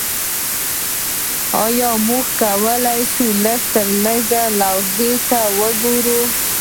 ایا موږ کولی شو لږترلږه لوحې ته وګورو